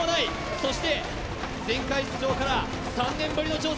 そして前回出場から３年ぶりの挑戦